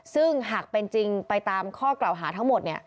ซึ่งหากเป็นจริงไปตามข้อกล่าวหาทั้งหมด